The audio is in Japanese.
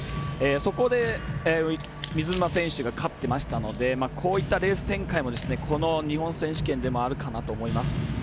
そこで水沼選手が勝ってましたのでこういったレース展開もこの日本選手権でもあるかなと思います。